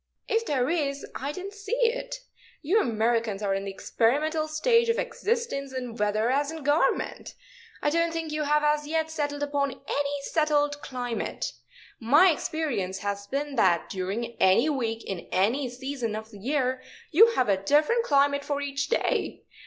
"If there is, I didn't see it. You Americans are in the experimental stage of existence in weather as in government. I don't think you have as yet settled upon any settled climate. My experience has been that during any week in any season of the year you have a different climate for each day.